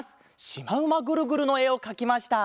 『しまうまグルグル』のえをかきました。